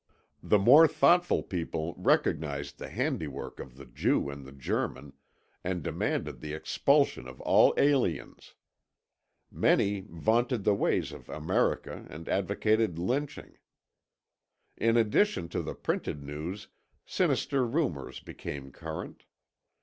The more thoughtful people recognized the handiwork of the Jew and the German, and demanded the expulsion of all aliens. Many vaunted the ways of America and advocated lynching. In addition to the printed news sinister rumours became current.